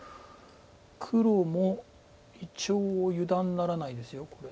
黒も一応油断ならないですこれ。